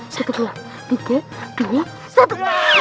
satu dua tiga dua satu